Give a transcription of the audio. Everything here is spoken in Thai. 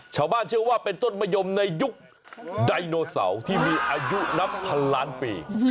ชาวบ้านเชื่อว่าเป็นต้นมะยมในยุคไดโนเสาร์ที่มีอายุนับพันล้านปี